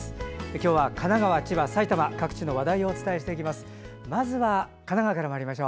今日は神奈川、千葉、さいたま各地の話題をお伝えしていきます。